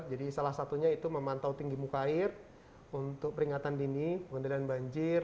jadi salah satunya itu memantau tinggi muka air untuk peringatan dini pengelolaan banjir